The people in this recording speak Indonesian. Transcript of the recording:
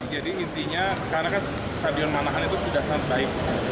jadi intinya karena kan stadion manahan itu sudah sangat baik